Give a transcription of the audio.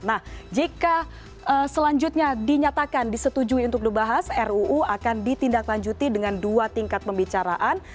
nah jika selanjutnya dinyatakan disetujui untuk dibahas ruu akan ditindaklanjuti dengan dua tingkat pembicaraan